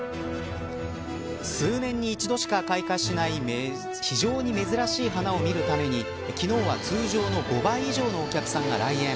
数年に一度しか開花しない非常に珍しい花を見るために昨日は通常の５倍以上のお客さんが来園。